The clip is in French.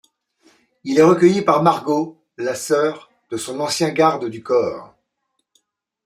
Il est recueilli par Margot, la sœur de son ancien garde du corps.